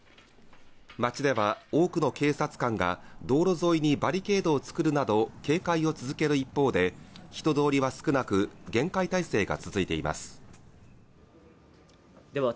街では多くの警察官が道路沿いにバリケードを作るなど警戒を続ける一方で、人通りは少なく、厳戒態勢が続いています。